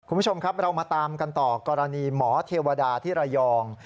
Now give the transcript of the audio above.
คุณผู้ชมครับเรามาตามกันต่อกรณีหมอเทวดาที่ระยอง